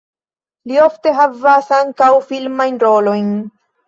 Li ofte havas ankaŭ filmajn rolojn.